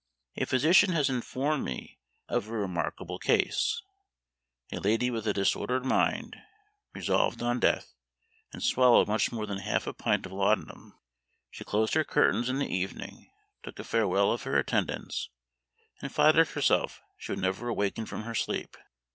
A physician has informed me of a remarkable case; a lady with a disordered mind, resolved on death, and swallowed much more than half a pint of laudanum; she closed her curtains in the evening, took a farewell of her attendants, and flattered herself she should never awaken from her sleep.